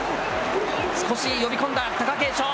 少し呼び込んだ、貴景勝。